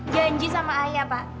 janji sama ayah pak